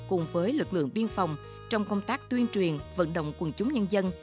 cùng với lực lượng biên phòng trong công tác tuyên truyền vận động quần chúng nhân dân